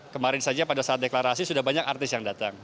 kemarin saja pada saat deklarasi sudah banyak artis yang datang